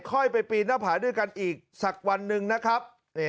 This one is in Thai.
ค่อยไปปีนหน้าผาด้วยกันอีกสักวันหนึ่งนะครับ